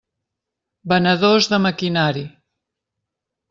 Venedors de maquinari.